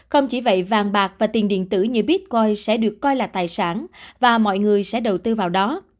không chỉ vậy vàng bạc và tiền điện tử như bitcoin sẽ được coi là tài sản và mọi người sẽ đầu tư vào đó